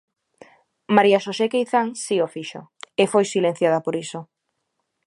María Xosé Queizán si o fixo, e foi silenciada por iso.